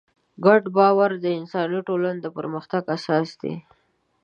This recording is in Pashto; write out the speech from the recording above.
ګډ باور د انساني ټولنو د پرمختګ اساس دی.